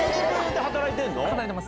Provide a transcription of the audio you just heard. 働いてます。